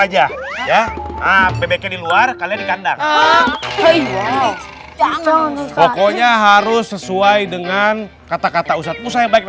aja ya ah bbk di luar kalian dikandang pokoknya harus sesuai dengan kata kata usaha yang baik